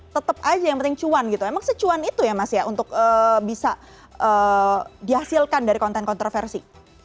tetap aja yang penting cuan gitu emang secuan itu ya mas ya untuk bisa dihasilkan dari konten kontroversi